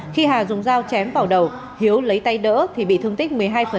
khi hà dùng dao chém vào đầu hiếu lấy tay đỡ thì bị thương tích một mươi hai